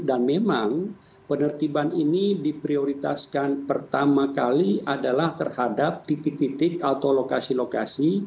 dan memang penertiban ini diprioritaskan pertama kali adalah terhadap titik titik atau lokasi lokasi